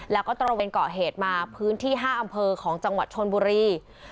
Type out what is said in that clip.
แล้วก็ตระเวนเกาะเหตุมาพื้นที่๕อำเภอของจังหวัดชนบุรี